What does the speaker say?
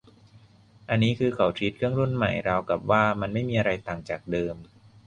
อันนี้คือเขาทรีตเครื่องรุ่นใหม่ราวกับว่ามันไม่มีอะไรต่างจากเดิม